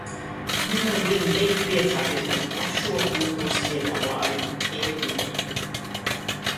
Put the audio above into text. Nevaru vien beigt priecāties par plašo kultūras piedāvājumu e-vidē.